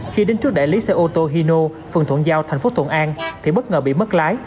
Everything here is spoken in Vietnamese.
khi đến trước đại lý xe ô tô hyo phường thuận giao thành phố thuận an thì bất ngờ bị mất lái